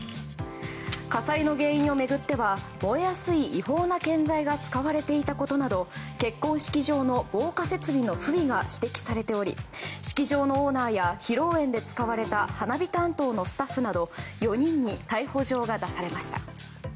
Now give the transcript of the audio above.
火災の原因を巡っては燃えやすい違法な建材が使われていたことなど結婚式場の防火設備の不備が指摘されており式場のオーナーや披露宴で使われた花火担当のスタッフなど４人に逮捕状が出されました。